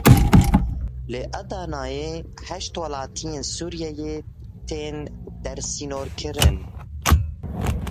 Li Edeneyê heşt welatiyên Sûriyeyê tên dersînorkirin.